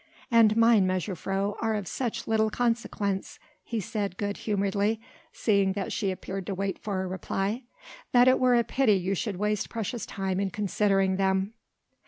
"And mine, mejuffrouw, are of such little consequence," he said good humouredly seeing that she appeared to wait for a reply, "that it were a pity you should waste precious time in considering them."